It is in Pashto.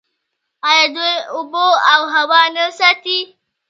آیا دوی اوبه او هوا نه ساتي؟